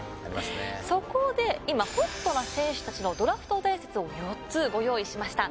そこで、今、ホットな選手たちのドラフト伝説をご用意しました。